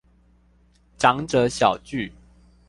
長者小聚